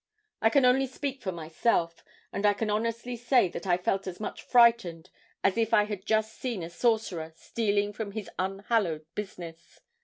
I can only speak for myself, and I can honestly say that I felt as much frightened as if I had just seen a sorcerer stealing from his unhallowed business.